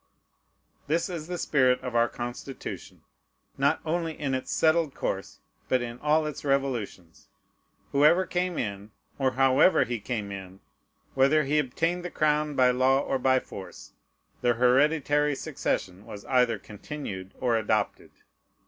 This is the spirit of our Constitution, not only in its settled course, but in all its revolutions. Whoever came in, or however he came in, whether he obtained the crown by law or by force, the hereditary succession was either continued or adopted.